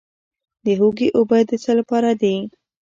د هوږې اوبه د څه لپاره دي؟